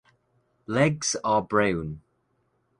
Legs are brown.